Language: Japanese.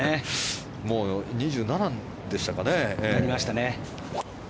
もう２７でしたかね。